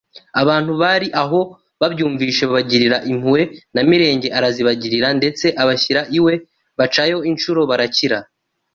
Abantu bari aho babyumvise babagirira impuhwe na Mirenge arazibagirira ndetse abashyira iwe bacayo inshuro barakira